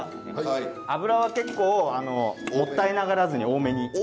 油は結構もったいながらずに多めに。